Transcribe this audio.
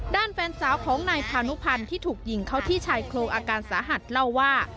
ด้านแฟนสาวของนายพานุพันธ์ที่ถูกยิงเข้าที่ชายโครงอาการสาหัสเล่าว่า